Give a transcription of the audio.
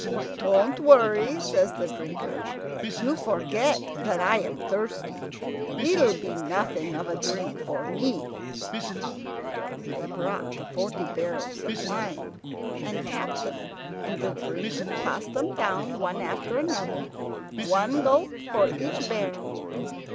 "Don't worry," says the Drinker. "You forget that I am thirsty. It'll be nothing of a drink for me." They brought the forty barrels of wine, and tapped them, and the Drinker tossed them down one after another, one gulp for each barrel.